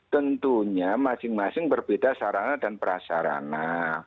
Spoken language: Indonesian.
tentunya masing masing berbeda sarana dan prasarana